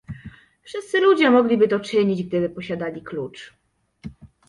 "„Wszyscy ludzie mogliby to czynić, gdyby posiadali klucz."